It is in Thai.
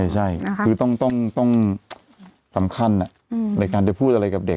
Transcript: ใช่คือต้องสำคัญในการจะพูดอะไรกับเด็ก